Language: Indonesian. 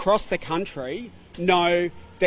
orang di seluruh negara